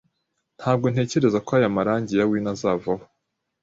Ntabwo ntekereza ko aya marangi ya wino azavaho